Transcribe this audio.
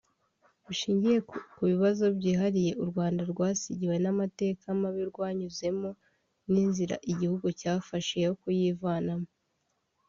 Bushingiye ku bibazo byihariye u Rwanda rwasigiwe n’amateka mabi rwanyuzemo n’inzira igihugu cyafashe yo kuyivanamo